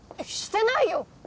してないよ